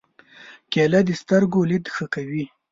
کېله د سترګو لید ښه کوي.